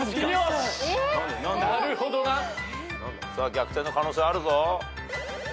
逆転の可能性あるぞ。